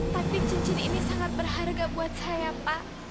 tapi cincin ini sangat berharga buat saya pak